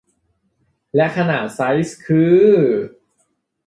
และขนาดไซซ์คือ